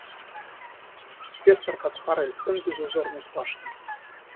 Пестр, как форель, сын безузорной пашни.